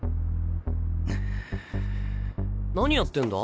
何やってんだ？